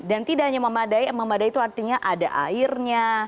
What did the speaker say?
dan tidak hanya memadai memadai itu artinya ada airnya